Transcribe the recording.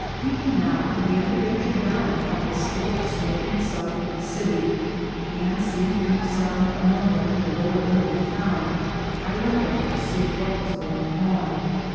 People now began to venture down upon the still smoking site of the city, and, seeing an excitement among them at the lower end of the town, I went down to see what was going on.